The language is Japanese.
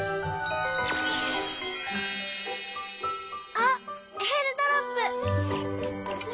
あっえーるドロップ！